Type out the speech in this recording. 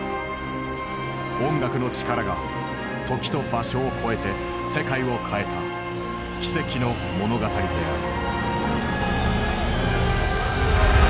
音楽の力が時と場所をこえて世界を変えた奇跡の物語である。